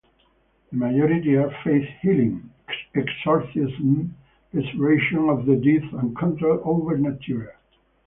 The majority are faith healing, exorcisms, resurrection of the dead and control over nature.